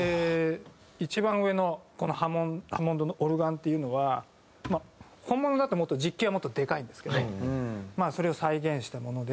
一番上のこのハモンドオルガンっていうのは本物だともっと実機はもっとでかいんですけどまあそれを再現したもので。